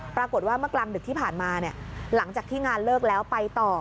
ปรากฏว่าเมื่อกลางดึกที่ผ่านมาหลังจากที่งานเลิกแล้วไปต่อ